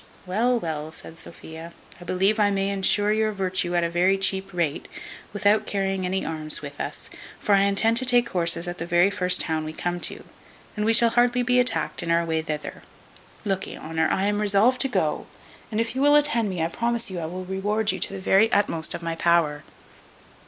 "Well, well," says Sophia, "I believe I may ensure your virtue at a very cheap rate, without carrying any arms with us; for I intend to take horses at the very first town we come to, and we shall hardly be attacked in our way thither. Look'ee, Honour, I am resolved to go; and if you will attend me, I promise you I will reward you to the very utmost of my power."